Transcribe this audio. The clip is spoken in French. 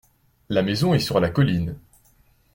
La maison est sur la colline.